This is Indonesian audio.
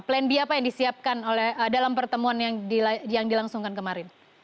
plan b apa yang disiapkan dalam pertemuan yang dilangsungkan kemarin